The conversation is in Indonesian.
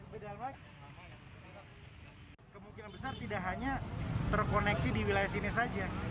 pembedahan di wilayah ini adalah kemungkinan besar tidak hanya terkoneksi di wilayah sini saja